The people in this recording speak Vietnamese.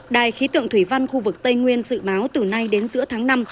đài khí tượng thủy văn khu vực tây nguyên dự báo từ nay đến giữa tháng năm